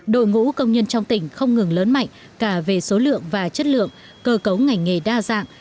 đội ngũ công nhân trong tỉnh không ngừng lớn mạnh cả về số lượng và chất lượng cơ cấu ngành nghề đa dạng